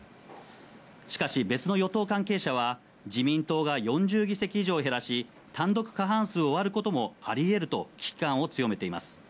しかし、別の与党関係者は、自民党が４０議席以上減らし、単独過半数を割ることもありえると、危機感を強めています。